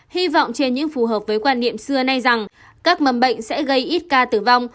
hy vọng trên những phù hợp với quan niệm xưa nay rằng các mầm bệnh sẽ gây ít ca tử vong